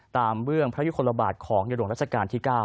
เบื้องพระยุคลบาทของในหลวงราชการที่๙